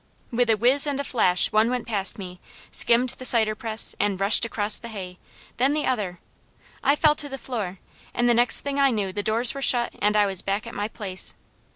With a whizz and a flash one went past me, skimmed the cider press, and rushed across the hay; then the other. I fell to the floor and the next thing I knew the doors were shut, and I was back at my place.